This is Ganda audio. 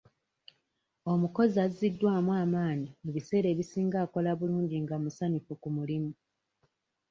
Omukozi azziddwamu amaanyi ebiseera ebisinga akola bulungi nga musanyufu ku mulimu.